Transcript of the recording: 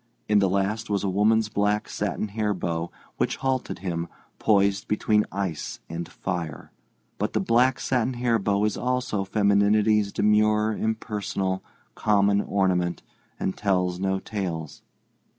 In the last was a woman's black satin hair bow, which halted him, poised between ice and fire. But the black satin hair bow also is femininity's demure, impersonal, common ornament, and tells no tales.